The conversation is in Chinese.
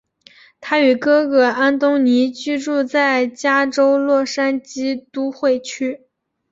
他与哥哥安东尼居住在加州洛杉矶都会区。